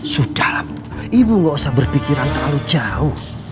sudah ibu gak usah berpikiran terlalu jauh